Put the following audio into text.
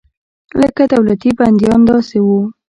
لکه دولتي بندیان داسې وو.